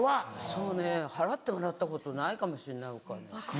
そうね払ってもらったことないかもしんないお金。